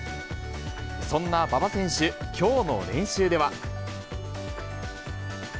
そんな馬場選手、きょうの練習では。